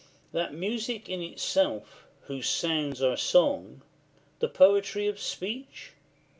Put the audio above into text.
That music in itself, whose sounds are song, The poetry of speech?